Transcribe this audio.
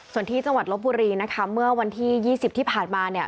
ส่วนที่จังหวัดลบบุรีนะคะเมื่อวันที่๒๐ที่ผ่านมาเนี่ย